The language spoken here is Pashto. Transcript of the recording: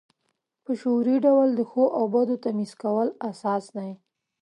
په شعوري ډول د ښو او بدو تمیز کول اساس دی.